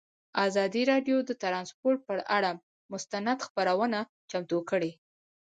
ازادي راډیو د ترانسپورټ پر اړه مستند خپرونه چمتو کړې.